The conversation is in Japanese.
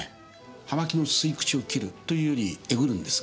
葉巻の吸い口を切るというよりえぐるんですが。